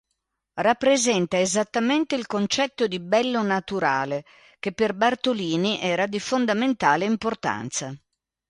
Rappresenta esattamente il concetto di bello naturale, che per Bartolini era di fondamentale importanza.